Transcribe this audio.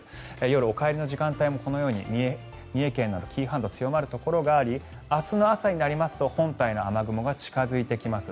夜お帰りの時間帯もこのように三重県など紀伊半島が強まるところがあり明日の朝になりますと本体の雨雲が近付いてきます。